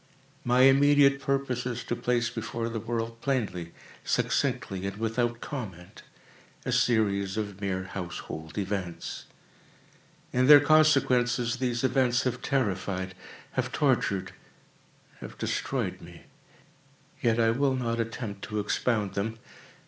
My immediate purpose is to place before the world, plainly, succinctly, and without comment, a series of mere household events. In their consequences, these events have terrified—have tortured—have destroyed me. Yet I will not attempt to expound them.